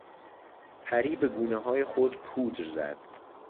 پری به گونههای خود پودر زد.